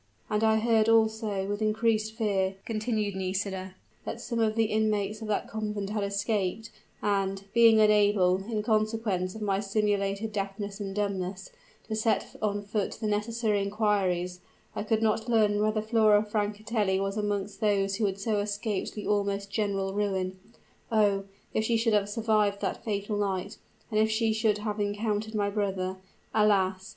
"And I heard also, with increased fear," continued Nisida, "that some of the inmates of that convent had escaped; and, being unable, in consequence of my simulated deafness and dumbness, to set on foot the necessary inquiries, I could not learn whether Flora Francatelli was amongst those who had so escaped the almost general ruin. O! if she should have survived that fatal night and if she should have again encountered my brother! Alas!